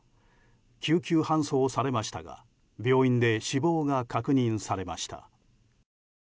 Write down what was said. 救急搬送されましたが病院で死亡が確認されました。